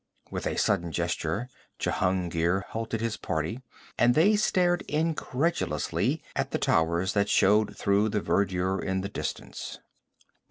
With a sudden gesture Jehungir halted his party, and they stared incredulously at the towers that showed through the verdure in the distance.